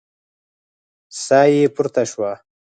ساه يې پورته شوه.